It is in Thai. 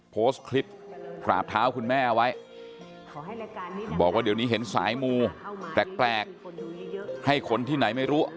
โพสต์คลิปกราบเท้าคุณแม่ไว้บอกว่าเดี๋ยวนี้เห็นสายมูแปลกให้คนที่ไหนไม่รู้